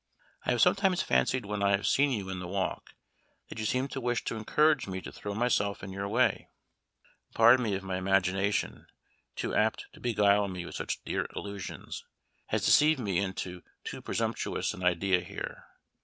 I have sometimes fancied when I have seen you in the walk, that you seemed to wish to encourage me to throw myself in your way. Pardon me if my imagination, too apt to beguile me with such dear illusions, has deceived me into too presumptuous an idea here.